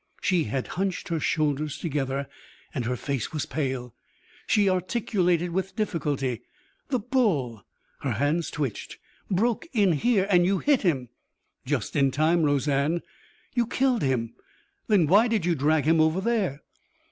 She had hunched her shoulders together, and her face was pale. She articulated with difficulty. "The bull" her hands twitched "broke in here and you hit him." "Just in time, Roseanne." "You killed him. Then why did you drag him over there?"